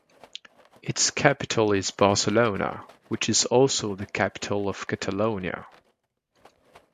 Its capital is Barcelona, which is also the capital of Catalonia.